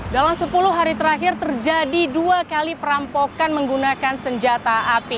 dalam sepuluh hari terakhir terjadi dua kali perampokan menggunakan senjata api